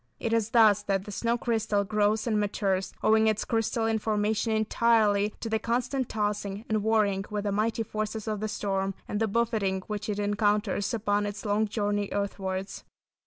It is thus that the snow crystal grows and matures, owing its crystalline formation entirely to the constant tossing and warring with the mighty forces of the storm, and the buffeting which it encounters upon its long journey earthwards.